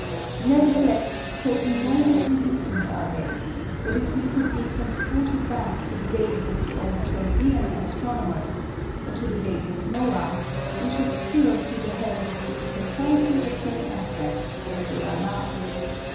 Nevertheless, so enormously distant are they, that if we could be transported back to the days of the old Chaldæan astronomers, or to the days of Noah, we should still see the heavens with precisely the same aspect as they wear now.